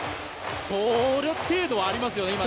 その精度がありますよね。